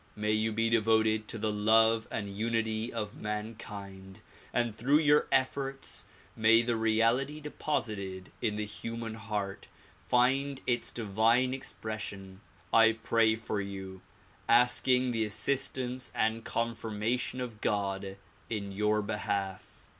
May you be devoted to the love and unity of mankind and through your efforts may the reality deposited in the human heart find its divine expression. I pray for you, asking the assistance and confirmation of God in your behalf.